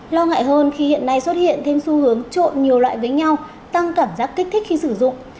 lo ngại hơn khi hiện nay xuất hiện thêm xu hướng trộn nhiều loại với nhau tăng cảm giác kích thích khi sử dụng